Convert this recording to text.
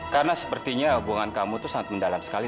karena sepertinya hubungan kamu itu sangat mendalam sekali